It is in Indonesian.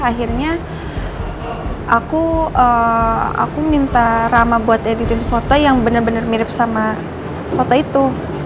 akhirnya aku minta rama buat editin foto yang bener bener mirip sama foto itu